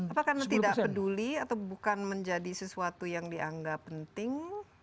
apa karena tidak peduli atau bukan menjadi sesuatu yang dianggap penting